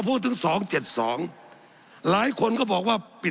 สับขาหลอกกันไปสับขาหลอกกันไป